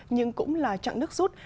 nhưng cũng là trạng nước rút